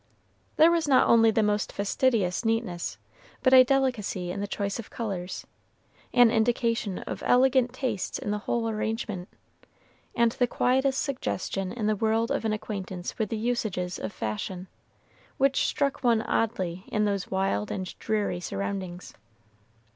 There was not only the most fastidious neatness, but a delicacy in the choice of colors, an indication of elegant tastes in the whole arrangement, and the quietest suggestion in the world of an acquaintance with the usages of fashion, which struck one oddly in those wild and dreary surroundings.